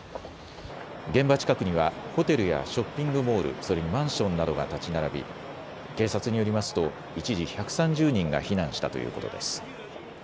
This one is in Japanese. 現場近くにはホテルやショッピングモール、それにマンションなどが建ち並び警察によりますと一時１３０人が避難したということです。